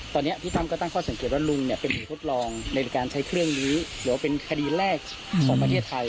ตอนนี้พี่ตั้มก็ตั้งข้อสังเกตว่าลุงเนี่ยเป็นผู้ทดลองในการใช้เครื่องนี้หรือว่าเป็นคดีแรกของประเทศไทย